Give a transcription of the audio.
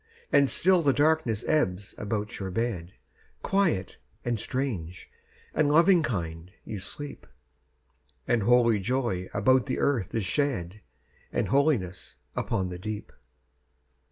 And still the darkness ebbs about your bed. Quiet, and strange, and loving kind, you sleep. And holy joy about the earth is shed; And holiness upon the deep.